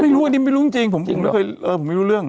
ไม่รู้อันนี้ไม่รู้จริงผมไม่เคยผมไม่รู้เรื่อง